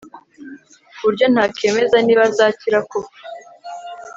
kuburyo ntakemeza niba azakira kuko